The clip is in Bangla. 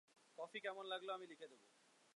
কফি কেমন লাগল আমি লিখে দেব।